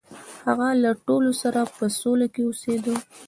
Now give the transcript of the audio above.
هغه له ټولو سره په سوله کې اوسیده.